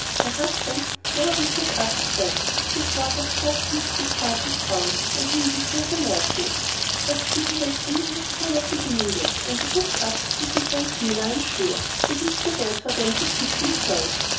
My husband never will put up with that his love of justice is far too strong and he means to have a lawsuit. But still he has reasons for not beginning yet; and he puts up with a great deal, I am sure. It is too bad for them to tease him so."